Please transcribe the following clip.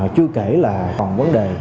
chưa kể là còn vấn đề